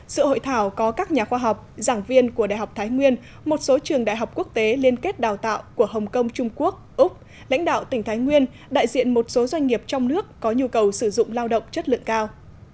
sự hội thảo có các nhà khoa học giảng viên của đại học thái nguyên một số trường đại học quốc tế liên kết đào tạo của hồng kông trung quốc úc lãnh đạo tỉnh thái nguyên đại diện một số doanh nghiệp trong nước có nhu cầu sử dụng lao động chất lượng cao